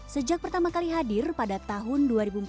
sejak pertama kali hadir pada tahun dua ribu empat belas